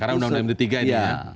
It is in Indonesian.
karena undang undang md tiga ini ya